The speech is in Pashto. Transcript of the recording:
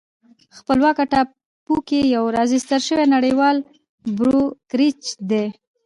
خپلواکه ټاپو کې یو راجستر شوی نړیوال بروکریج دی